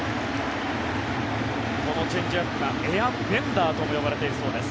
このチェンジアップがエアベンダーとも呼ばれているそうです。